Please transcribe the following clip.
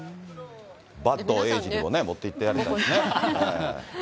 板東英二にも持っていってやりたいですね。